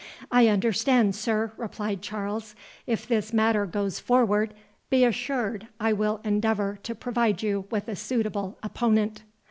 "I understand, sir," replied Charles; "if this matter goes forward, be assured I will endeavour to provide you with a suitable opponent."